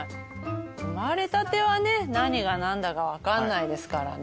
生まれたては何が何だか分かんないですからね。